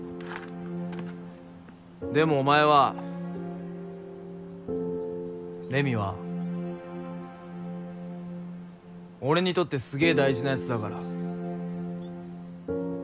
でもお前はレミは俺にとってすげぇ大事なやつだから。